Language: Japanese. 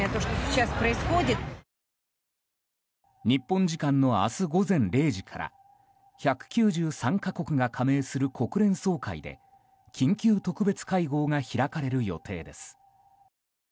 日本時間の明日午前０時から１９３か国が加盟する国連総会で緊急特別会合が開かれる予定です。